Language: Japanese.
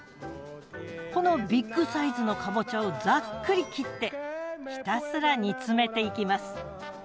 このビッグサイズのかぼちゃをざっくり切ってひたすら煮詰めていきます。